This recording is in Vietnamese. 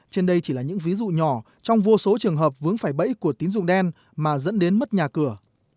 trên đây chỉ là những ví dụ nhỏ trong vô số trường hợp vướng phải bẫy của tín dụng đen mà dẫn đến mất nhà cửa